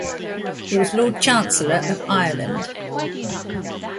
He was Lord Chancellor of Ireland.